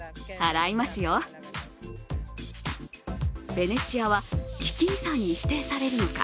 ベネチアは危機遺産に指定されるのか。